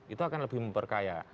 itu akan lebih memperkaya